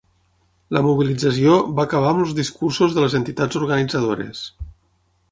La mobilització va acabar amb els discursos de les entitats organitzadores.